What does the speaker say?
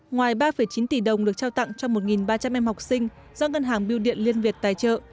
ngoài ba chín tỷ đồng được trao tặng cho một ba trăm linh em học sinh do ngân hàng biêu điện liên việt tài trợ